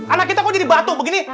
anak kita kok jadi batuk begini